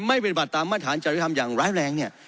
เถอะถ้าเขาให้เป็นบัตรตามมาตรหัสโจริธิฮัมอย่างร้ายแรง